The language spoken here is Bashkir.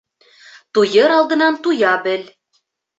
Туйыр алынан туя бел